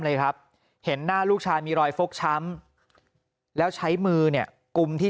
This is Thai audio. เลยครับเห็นหน้าลูกชายมีรอยฟกช้ำแล้วใช้มือเนี่ยกุมที่